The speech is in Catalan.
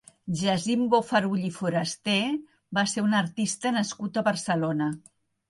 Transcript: Jacint Bofarull i Foraster va ser un artista nascut a Barcelona.